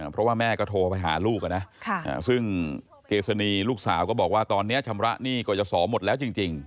เพราะว่าแม่ก็โทรไปหาลูกนะซึ่งเกษณีลูกสาวก็บอกว่าตอนนี้ชำระหนี้กรยาศรหมดแล้วจริง